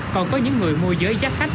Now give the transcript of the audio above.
còn có những người mua giới giáp khách